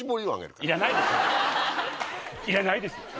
いらないですよ。